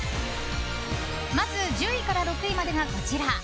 まず１０位から６位までがこちら。